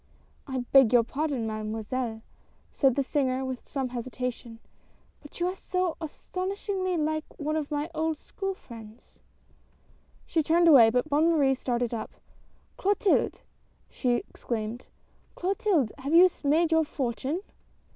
" I beg your pardon, Mademoiselle," said the singer with some hesitation, " but you are so astonishingly like one of my old school friends " She turned away, but Bonne Marie started up. " Clotilde !" she exclaimed, " Clotilde ! Have you made your fortune